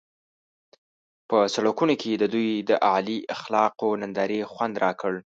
په سړکونو کې د دوی د اعلی اخلاقو نندارې خوند راکړ.